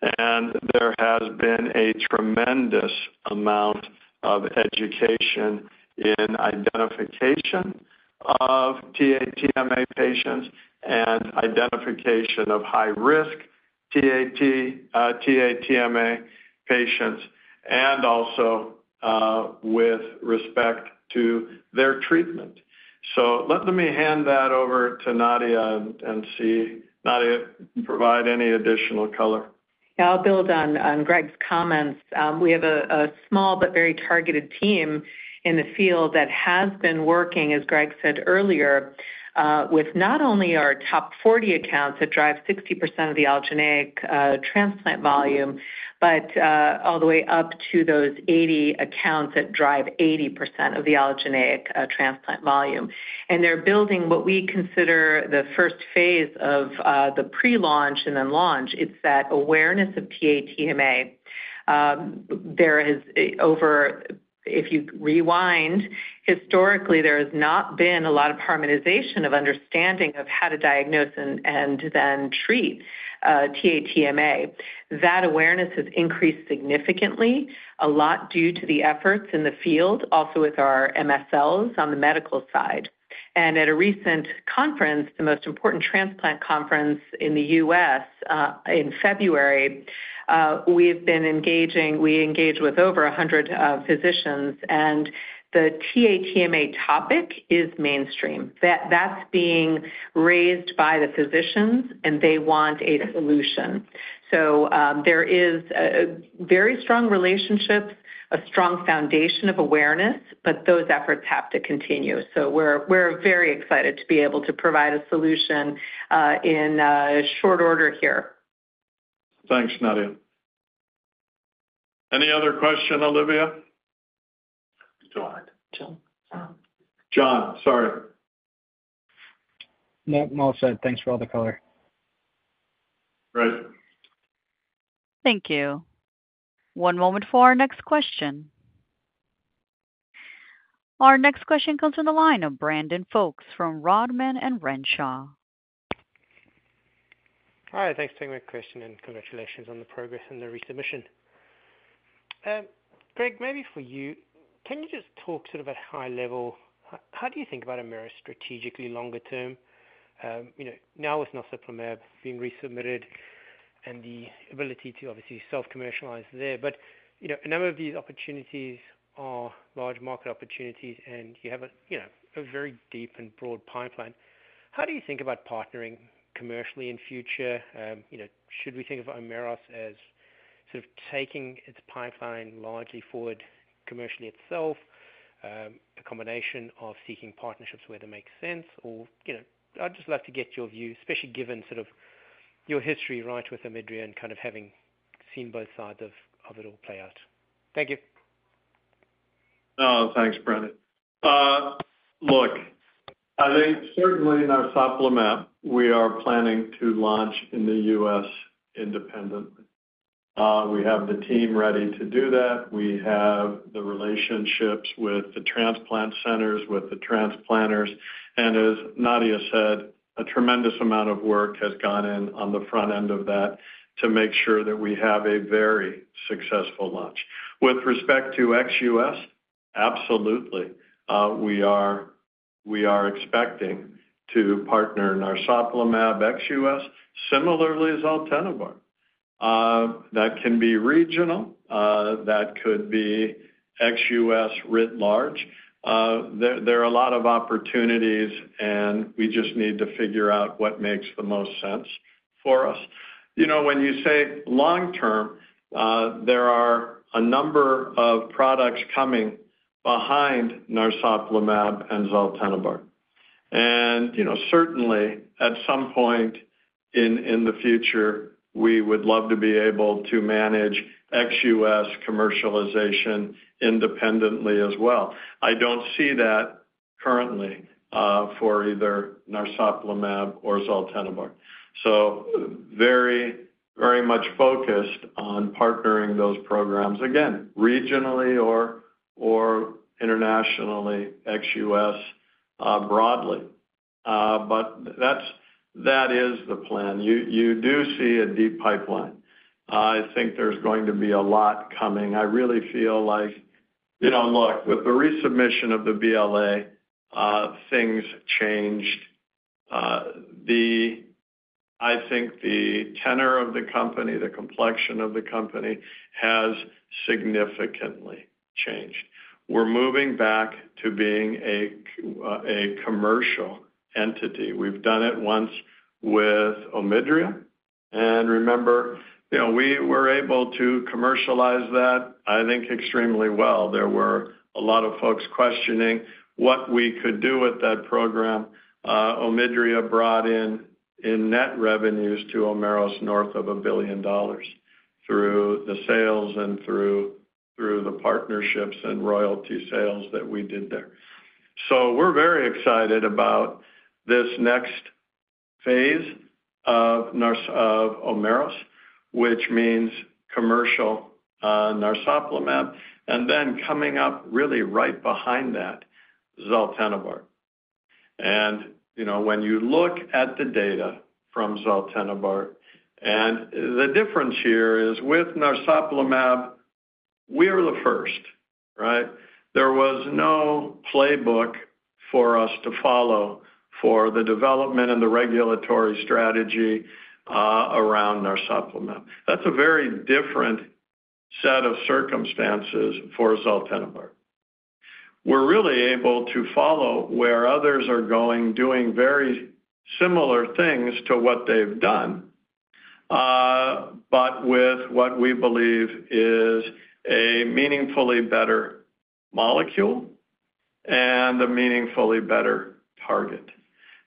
C: There has been a tremendous amount of education in identification of TA-TMA patients and identification of high-risk TA-TMA patients, and also with respect to their treatment. Let me hand that over to Nadia and see Nadia provide any additional color.
H: I'll build on Greg's comments. We have a small but very targeted team in the field that has been working, as Greg said earlier, with not only our top 40 accounts that drive 60% of the allogeneic transplant volume, but all the way up to those 80 accounts that drive 80% of the allogeneic transplant volume. They are building what we consider the first phase of the pre-launch and then launch. It is that awareness of TA-TMA. If you rewind, historically, there has not been a lot of harmonization of understanding of how to diagnose and then treat TA-TMA. That awareness has increased significantly, a lot due to the efforts in the field, also with our MSLs on the medical side. At a recent conference, the most important transplant conference in the U.S. in February, we have been engaging—we engaged with over 100 physicians. The TA-TMA topic is mainstream. That's being raised by the physicians, and they want a solution. There is a very strong relationship, a strong foundation of awareness, but those efforts have to continue. We're very excited to be able to provide a solution in short order here.
C: Thanks, Nadia. Any other question, Olivia? John. Sorry. Mark Moss said, "Thanks for all the color." Great.
A: Thank you. One moment for our next question. Our next question comes from the line of Brandon Folkes from Rodman & Renshaw.
J: Hi. Thanks for taking my question and congratulations on the progress and the resubmission. Greg, maybe for you, can you just talk sort of at a high level, how do you think about Omeros strategically longer term? Now with narsoplimab being resubmitted and the ability to obviously self-commercialize there, but a number of these opportunities are large market opportunities, and you have a very deep and broad pipeline. How do you think about partnering commercially in future? Should we think of Omeros as sort of taking its pipeline largely forward commercially itself, a combination of seeking partnerships where they make sense? I’d just love to get your view, especially given sort of your history right with OMIDRIA and kind of having seen both sides of it all play out. Thank you.
C: Thanks, Brandon. Look, I think certainly narsoplimab, we are planning to launch in the U.S. independently. We have the team ready to do that. We have the relationships with the transplant centers, with the transplanters. As Nadia said, a tremendous amount of work has gone in on the front end of that to make sure that we have a very successful launch. With respect to ex-U.S., absolutely. We are expecting to partner narsoplimab ex-U.S. similarly as Zaltenibart. That can be regional. That could be ex-U.S. writ large. There are a lot of opportunities, and we just need to figure out what makes the most sense for us. When you say long-term, there are a number of products coming behind narsoplimab and Zaltenibart. Certainly, at some point in the future, we would love to be able to manage ex-U.S. commercialization independently as well. I do not see that currently for either narsoplimab or Zaltenibart. Very, very much focused on partnering those programs, again, regionally or internationally, ex-U.S. broadly. That is the plan. You do see a deep pipeline. I think there's going to be a lot coming. I really feel like, look, with the resubmission of the BLA, things changed. I think the tenor of the company, the complexion of the company has significantly changed. We're moving back to being a commercial entity. We've done it once with OMIDRIA. Remember, we were able to commercialize that, I think, extremely well. There were a lot of folks questioning what we could do with that program. OMIDRIA brought in net revenues to Omeros north of $1 billion through the sales and through the partnerships and royalty sales that we did there. We're very excited about this next phase of Omeros, which means commercial narsoplimab. Coming up really right behind that, Zaltenibart. When you look at the data from Zaltenibart, and the difference here is with narsoplimab, we're the first, right? There was no playbook for us to follow for the development and the regulatory strategy around narsoplimab. That's a very different set of circumstances for Zaltenibart. We're really able to follow where others are going, doing very similar things to what they've done, but with what we believe is a meaningfully better molecule and a meaningfully better target.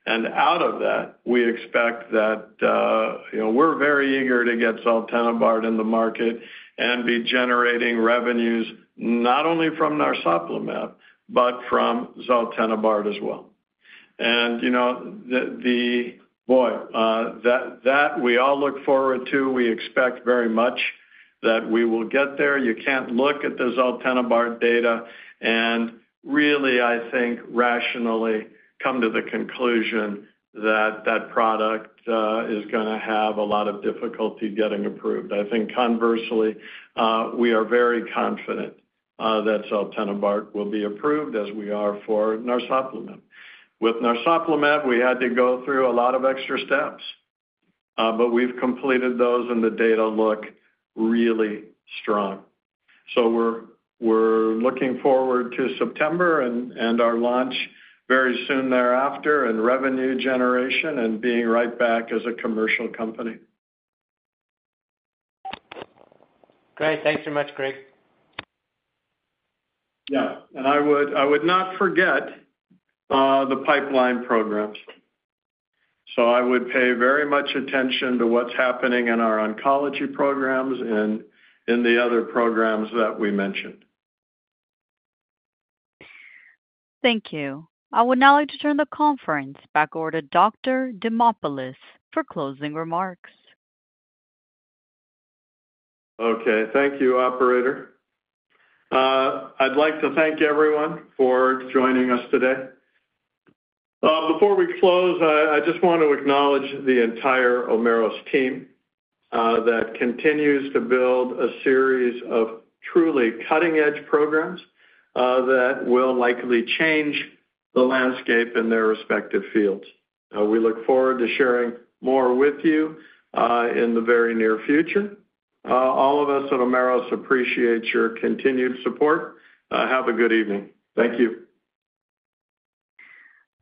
C: Out of that, we expect that we're very eager to get Zaltenibart in the market and be generating revenues not only from narsoplimab, but from Zaltenibart as well. Boy, that we all look forward to. We expect very much that we will get there. You can't look at the Zaltenibart data and really, I think, rationally come to the conclusion that that product is going to have a lot of difficulty getting approved. I think conversely, we are very confident that Zaltenibart will be approved, as we are for narsoplimab. With narsoplimab, we had to go through a lot of extra steps, but we've completed those, and the data look really strong. We are looking forward to September and our launch very soon thereafter and revenue generation and being right back as a commercial company.
J: Great. Thanks very much, Greg.
C: Yeah. I would not forget the Pipeline programs. I would pay very much attention to what's happening in our oncology programs and in the other programs that we mentioned.
A: Thank you. I would now like to turn the conference back over to Dr. Demopulos for closing remarks.
C: Okay. Thank you, Operator. I would like to thank everyone for joining us today. Before we close, I just want to acknowledge the entire Omeros team that continues to build a series of truly cutting-edge programs that will likely change the landscape in their respective fields. We look forward to sharing more with you in the very near future. All of us at Omeros appreciate your continued support. Have a good evening.
A: Thank you.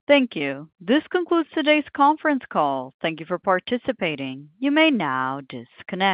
A: This concludes today's conference call. Thank you for participating. You may now disconnect.